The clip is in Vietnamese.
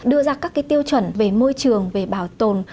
đưa ra các cái tiêu chuẩn về môi trường về bảo tồn